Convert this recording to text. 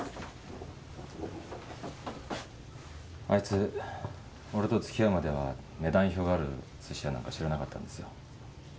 あいつ俺とつきあうまでは値段表があるすし屋なんか知らなかったんですよ。